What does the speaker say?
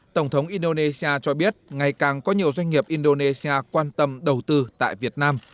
tổng thống indonesia cho biết ngày càng có nhiều doanh nghiệp indonesia quan tâm đầu tư tại việt nam